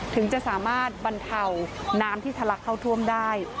ถึงจะสามารถบรรเทาน้ำที่ทะลักเข้าท่วมได้